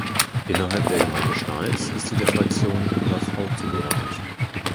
Innerhalb der Gemeinde Schnals ist sie der Fraktion Unser Frau zugeordnet.